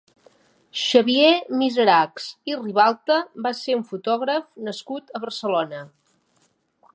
Xavier Miserachs i Ribalta va ser un fotògraf nascut a Barcelona.